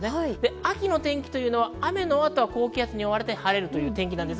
秋の天気というのは雨の後は高気圧に覆われて晴れるという天気です。